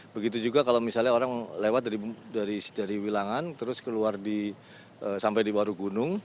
begitu juga kalau misalnya orang lewat dari wilangan terus keluar sampai di waru gunung